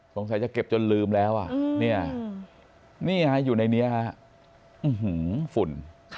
สงสัยจะเก็บจนลืมแล้วอ่ะนี่อยู่ในนี้ฝุ่น